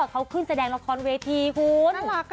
เขาขึ้นแสดงละครเวทีฮูน